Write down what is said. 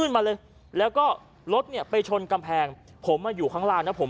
มาเลยแล้วก็รถเนี่ยไปชนกำแพงผมมาอยู่ข้างล่างนะผม